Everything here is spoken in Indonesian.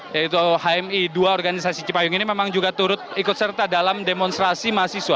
yaitu hmi dua organisasi cipayung ini memang juga turut ikut serta dalam demonstrasi mahasiswa